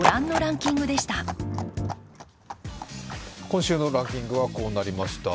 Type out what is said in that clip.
今週のランキングは、こうなりました。